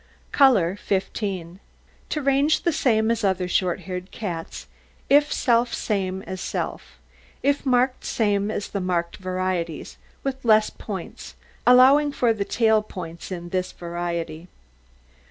COLOUR 15 To range the same as other short haired cats, if self same as self, if marked same as the marked varieties, with less points, allowing for the tail points in this variety.